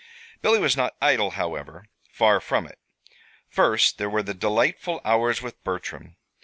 Billy was not idle, however; far from it. First, there were the delightful hours with Bertram.